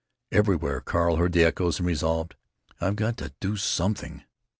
Everywhere Carl heard the echoes, and resolved, "I've got to do something!"